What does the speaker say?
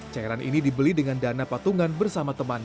cairan ini dibeli dengan dana patungan bersama teman